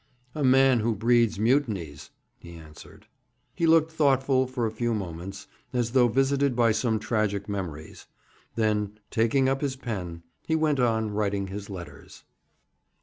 'A man who breeds mutinies,' he answered. He looked thoughtful for a few moments, as though visited by some tragic memories; then, taking up his pen, he went on writing his letters.